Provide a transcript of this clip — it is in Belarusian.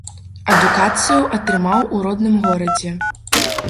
Адукацыю атрымаў у родным горадзе.